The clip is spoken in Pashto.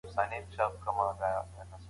ډېر خلک برسونه په تشناب کې ساتي.